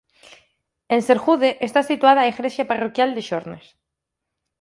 En Sergude está situada a igrexa parroquial de Xornes.